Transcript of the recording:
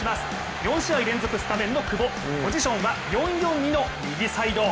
４試合連続スタメンの久保、ポジションは４−４−２の右サイド。